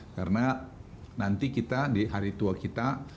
karena nanti kita di hari tua kita